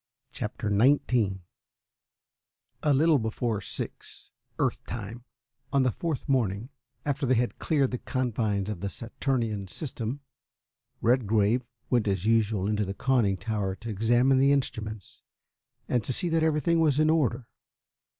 CHAPTER XIX A little before six (Earth time) on the fourth morning after they had cleared the confines of the Saturnian System, Redgrave went as usual into the conning tower to examine the instruments, and to see that everything was in order.